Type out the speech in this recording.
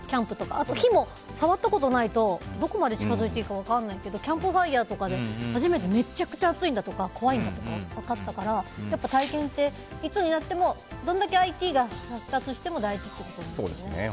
あと火も触ったことがないとどこまで近づいていいか分からないとかキャンプファイヤーとかで熱いんだとか怖いんだとか分かったから、体験っていつになってもどれだけＩＴが発達しても大事ってことですね。